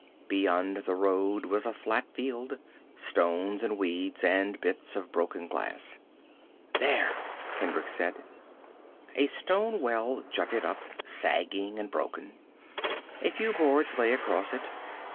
Beyond the road was a flat field. Stones and weeds, and bits of broken glass. "There," Hendricks said. A stone well jutted up, sagging and broken. A few boards lay across it.